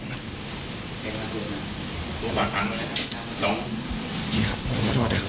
ส่วนทางด้านของนายธนกฤษ